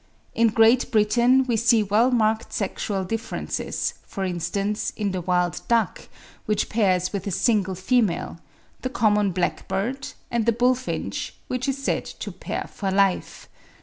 In Great Britain we see well marked sexual differences, for instance, in the wild duck which pairs with a single female, the common blackbird, and the bullfinch which is said to pair for life.